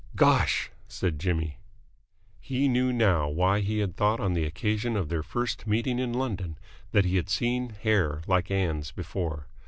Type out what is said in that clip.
"Gosh!" said Jimmy. He knew now why he had thought on the occasion of their first meeting in London that he had seen hair like Ann's before.